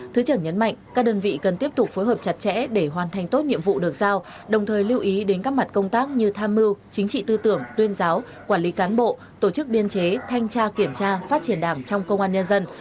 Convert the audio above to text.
thứ trưởng nhấn mạnh các đơn vị cần tiếp tục phối hợp chặt chẽ để hoàn thành tốt nhiệm vụ được giao đồng thời lưu ý đến các mặt công tác như tham mưu chính trị tư tưởng tuyên giáo quản lý cán bộ tổ chức biên chế thanh tra kiểm tra phát triển đảng trong công an nhân dân